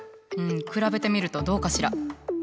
比べてみるとどうかしら？